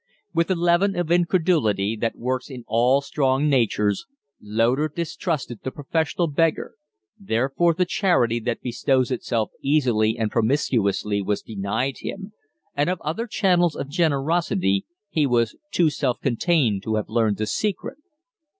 With the leaven of incredulity that works in all strong natures, Loder distrusted the professional beggar therefore the charity that bestows easily and promiscuously was denied him; and of other channels of generosity he was too self contained to have learned the secret.